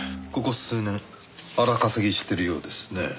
ここ数年荒稼ぎしてるようですね。